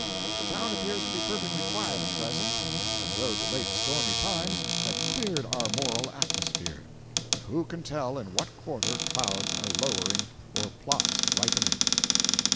The town appears to be perfectly quiet at present, as though the late stormy times had cleared our moral atmosphere; but who can tell in what quarter clouds are lowering or plots ripening?